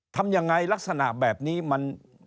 ทำยังไงลักษณะแบบนี้มัน